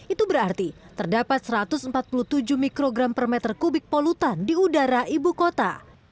itu berarti terdapat satu ratus empat puluh tujuh mikrogram per meter kubik polutan di udara ibu kota